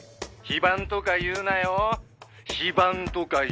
「非番とか言うなよ」